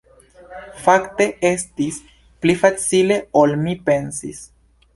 Fakte estis pli facile ol mi pensis.